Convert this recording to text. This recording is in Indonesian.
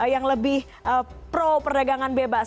yang lebih pro perdagangan bebas